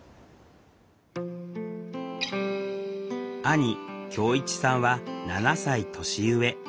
兄恭一さんは７歳年上。